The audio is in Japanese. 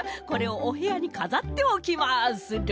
これをおへやにかざっておきます。